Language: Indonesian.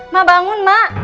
mak bangun mak